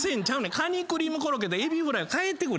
カニクリームコロッケとエビフライを換えてくれ。